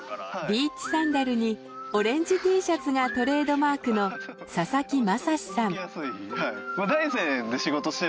ビーチサンダルにオレンジＴシャツがトレードマークの佐々木正志さん。